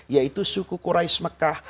yaitu suku quraish mekah